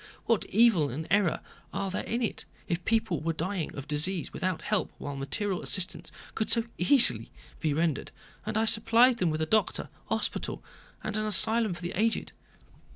What evil and error are there in it, if people were dying of disease without help while material assistance could so easily be rendered, and I supplied them with a doctor, a hospital, and an asylum for the aged?